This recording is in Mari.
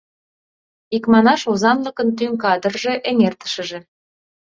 Икманаш, озанлыкын тӱҥ кадрже, эҥертышыже.